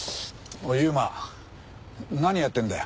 おいユウマ何やってんだよ？